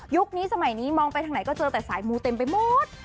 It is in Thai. นี้สมัยนี้มองไปทางไหนก็เจอแต่สายมูเต็มไปหมด